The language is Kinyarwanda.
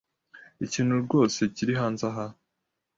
Ikintu rwose kiri hanze aha.